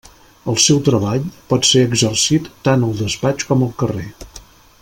El seu treball pot ser exercit tant al despatx com al carrer.